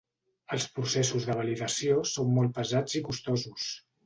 Els processos de validació són molt pesats i costosos.